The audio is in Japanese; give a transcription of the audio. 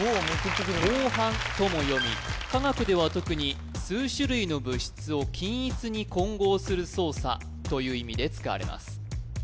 「こうはん」とも読み化学では特に数種類の物質を均一に混合する操作という意味で使われます